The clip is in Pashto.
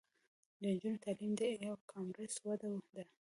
د نجونو تعلیم د ای کامرس وده ده.